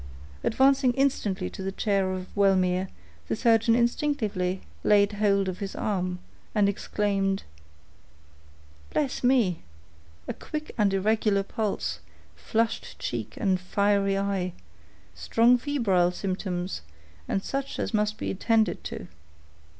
Advancing instantly to the chair of Wellmere, the surgeon instinctively laid hold of his arm, and exclaimed,— "Bless me!—a quick and irregular pulse—flushed cheek and fiery eye—strong febrile symptoms, and such as must be attended to."